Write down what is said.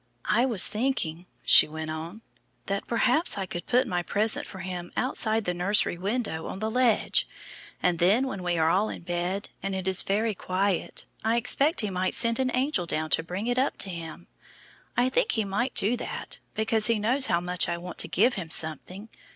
"I was thinking," she went on, "that perhaps I could put my present for Him outside the nursery window on the ledge. And then when we are all in bed, and it is very quiet, I expect He might send an angel down to bring it up to Him. I think He might do that, because He knows how much I want to give Him something.